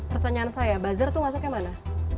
pertanyaan saya buzzer itu masuk kemana